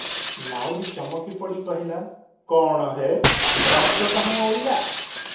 ନାଉରୀ ଚମକିପଡ଼ି କହିଲା, "କଣ ହେ! ରକ୍ତ କାହୁଁ ଅଇଲା?